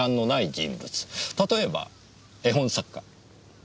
例えば絵本作家。